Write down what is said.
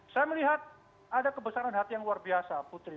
saya melihat ada kebesaran hati yang luar biasa putri